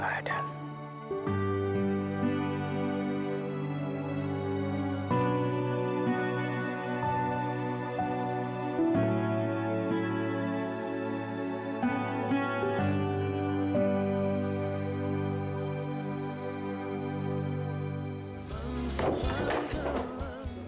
ya cantik bisa